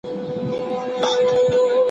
ژوند سپېڅلی دی